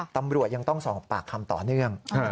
ตำรวจยังต้องสอบปากคำต่อเนื่อง